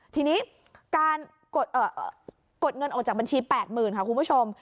ทีนี้การกดเงินออกจากบัญชี๘๐๐๐ค่ะคุณผู้ชม